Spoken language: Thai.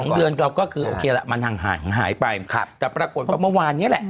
เดือนเราก็คือโอเคละมันห่างหายไปแต่ปรากฏว่าเมื่อวานนี้แหละ